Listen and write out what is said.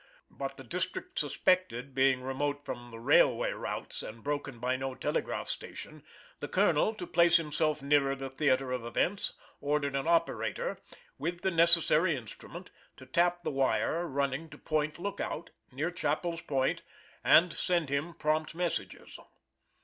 But the district supected being remote from the railway routes, and broken by no telegraph station, the colonel, to place himself nearer the theater of events, ordered an operator, with the necessary instrument, to tap the wire running to Point Lookout, near Chappells Point, and send him prompt messages.